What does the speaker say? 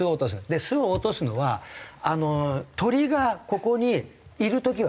で巣を落とすのは鳥がここにいる時はダメなんですね。